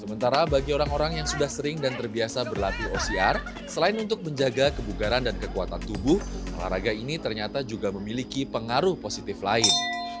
sementara bagi orang orang yang sudah sering dan terbiasa berlatih ocr selain untuk menjaga kebugaran dan kekuatan tubuh olahraga ini ternyata juga memiliki pengaruh positif lain